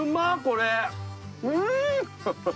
うん！